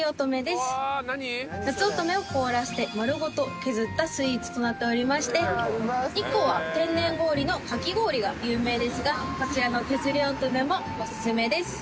なつおとめを凍らせて丸ごと削ったスイーツとなっておりまして日光は天然氷のかき氷が有名ですがこちらのけずりおとめもオススメです。